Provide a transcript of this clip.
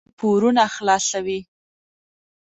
ګوندې پورونه خلاصوي.